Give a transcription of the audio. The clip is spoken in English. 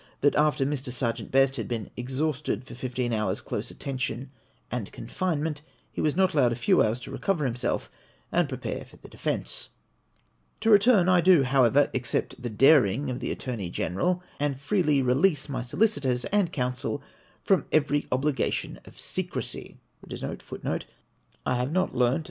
that after Mr. Serjeant Best had been exhausted by fifteen lionrs' close attention and confinement, he was not allowed a few hours to recover hmiself and prepare for the defence. To return : I do, however, accept the daring of the Attor ney Gfeneral, and freely release my solicitors and counsel from every obligation of secresy.